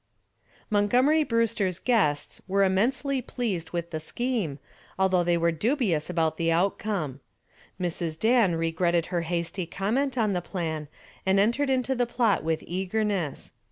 Montgomery Brewster's guests were immensely pleased with the scheme, although they were dubious about the outcome. Mrs. Dan regretted her hasty comment on the plan and entered into the plot with eagerness.